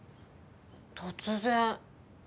突然。